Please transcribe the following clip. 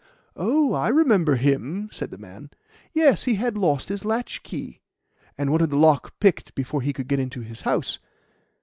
"Oh, I remember him!" said the man. "Yes, he had lost his latchkey, and wanted the lock picked before he could get into his house.